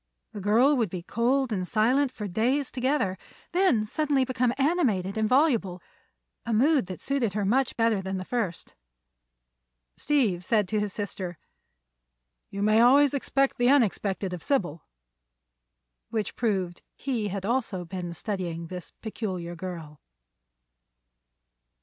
The girl would be cold and silent for days together; then suddenly become animated and voluble—a mood that suited her much better than the first. Steve said to his sister: "You may always expect the unexpected of Sybil." Which proved he had also been studying this peculiar girl.